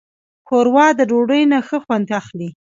ښوروا د ډوډۍ نه ښه خوند اخلي.